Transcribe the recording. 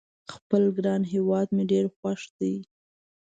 خپل ګران هیواد مې ډېر خوښ ده